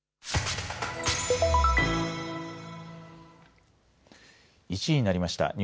１時になりました。